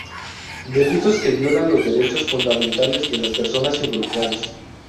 Delitos que violan los derechos fundamentales de las personas involucradas.